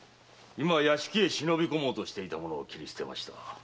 今屋敷へ忍び込もうとしていた者を斬り捨てました。